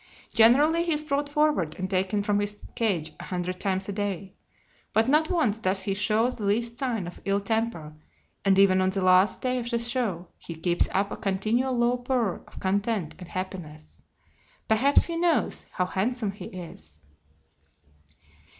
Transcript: Generally he is brought forward and taken from his cage a hundred times a day; but not once does he show the least sign of ill temper, and even on the last day of the show he keeps up a continual low purr of content and happiness. Perhaps he knows how handsome he is.